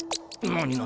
何何？